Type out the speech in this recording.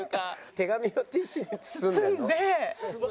手紙がティッシュに包んであるの？